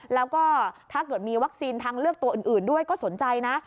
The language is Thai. แล้วก็ถ้าเกิดมีวัคซีนทางเลือกตัวอื่นด้วยก็สนใจนะ